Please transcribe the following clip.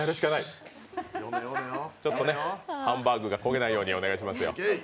ちょっとね、ハンバーグが焦げないようにお願いしますよ。